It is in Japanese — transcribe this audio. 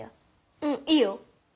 うんいいよ。